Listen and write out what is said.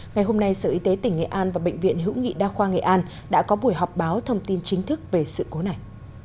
ngày hôm nay sở y tế tỉnh nghệ an và bệnh viện hữu nghị đa khoa nghệ an đã có buổi họp báo thông tin chính thức về sự cố này